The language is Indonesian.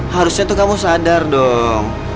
harusnya tuh kamu sadar dong